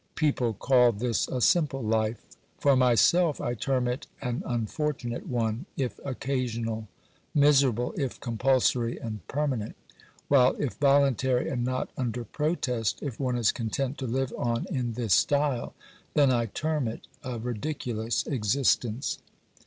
People call this a simple life; for myself I term it an unfortunate one, if occasional; miserable, if compulsory and permanent; while if volun tary, and not under protest, if one is content to live on in this style, then I term it a ridiculous existence.